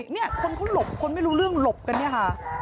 นี่คนไม่รู้เรื่องหลบกันนี่ค่ะ